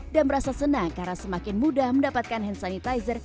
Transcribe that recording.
dan merasa senang karena semakin mudah mendapatkan hand sanitizer